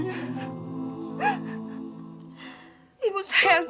saya menemuti loving perceptions